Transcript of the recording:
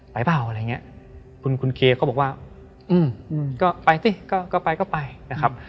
เปล่าอะไรอย่างเงี้ยคุณคุณเคเขาบอกว่าอืมก็ไปสิก็ไปก็ไปนะครับ